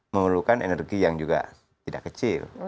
memerlukan energi yang juga tidak kecil